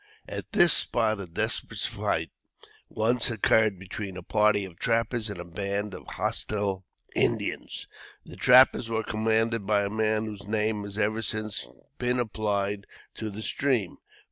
At this spot a desperate fight once occurred between a party of trappers and a band of hostile Indians. The trappers were commanded by a man whose name has ever since been applied to the stream.